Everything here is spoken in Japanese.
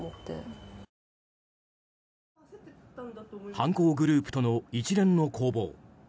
犯行グループとの一連の攻防。